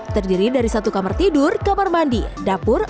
terdiri dari satu kamar tidur kamar mandi dapur